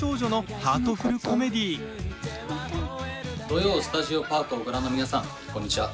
「土曜スタジオパーク」をご覧の皆さん、こんにちは。